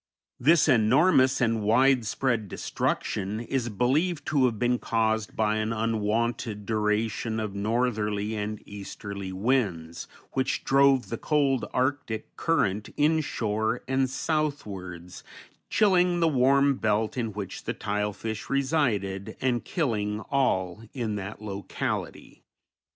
This enormous and widespread destruction is believed to have been caused by an unwonted duration of northerly and easterly winds, which drove the cold arctic current inshore and southwards, chilling the warm belt in which the tile fish resided and killing all in that locality.